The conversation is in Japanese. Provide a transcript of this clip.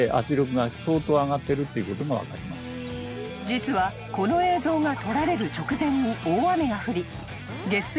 ［実はこの映像が撮られる直前に大雨が降り下水